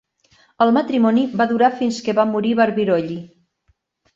El matrimoni va durar fins que va morir Barbirolli.